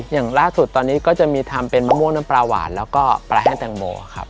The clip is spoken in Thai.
อย่างล่าสุดตอนนี้ก็จะมีทำเป็นมะม่วงน้ำปลาหวานแล้วก็ปลาแห้งแตงโมครับ